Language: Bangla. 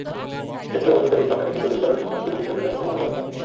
এসেছিল বন্ধুত্বের নিষ্পাপ একাকিত্ব দূর করার জন্য জীবন বিসর্জনের মতো মহানুভবতা।